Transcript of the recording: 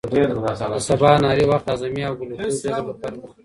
د سباناري وخت د هاضمې او ګلوکوز جذب لپاره مهم دی.